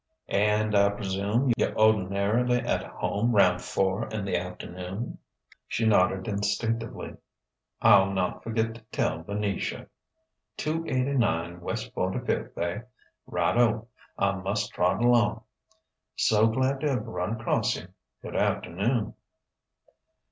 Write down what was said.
"And, I presume, you're ordinarily at home round four in the afternoon?" She nodded instinctively. "I'll not forget to tell Venetia. Two eighty nine west Forty fifth, eh? Right O! I must trot along. So glad to have run across you. Good afternoon...."